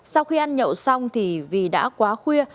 sau khi ăn nhậu xong thì vì đã quá khuya